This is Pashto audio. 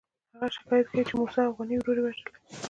هغه شکایت کوي چې موسی اوغاني ورور وژلی.